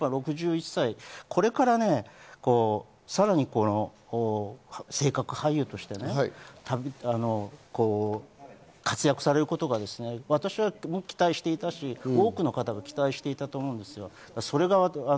私は６１歳これからさらに性格俳優として活躍されることが期待していたし、多くの方が期待していたと思うんですよ。